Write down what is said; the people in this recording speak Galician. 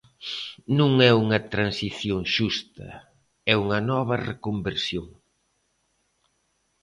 "Non é unha transición xusta, é unha nova reconversión".